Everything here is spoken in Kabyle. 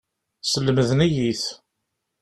Slemden-iyi-t.